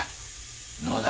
野田！